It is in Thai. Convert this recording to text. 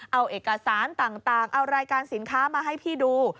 เอาเอกสารต่างเอารายการสินค้ามาให้พี่ดู